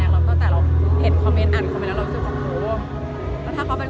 ยังงี้สภาพจิตใจฟ้างของคนเนี่ยเป็นยังไง